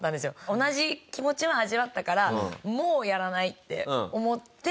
同じ気持ちは味わったからもうやらないって思って。